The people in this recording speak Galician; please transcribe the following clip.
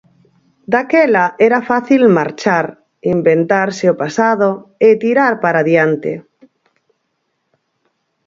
Daquela era fácil marchar, inventarse o pasado e tirar para adiante.